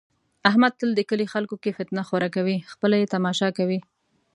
احمد تل د کلي خلکو کې فتنه خوره کوي، خپله یې تماشا کوي.